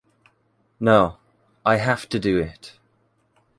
No, I have to do it.